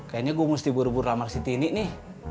kayaknya gue mesti buru buru ramar siti ini nih